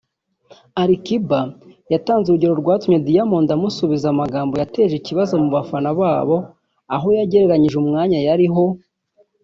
Ali Kiba yatanze urugero rwanatumye Diamond amusubiza amagambo yateje ikibazo mu bafana babo aho yagereranyije umwanya yariho